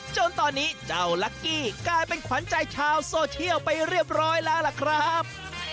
จนตอนนี้เจ้าลักกี้กลายเป็นขวัญใจชาวโซเชียลไปเรียบร้อยแล้วล่ะครับ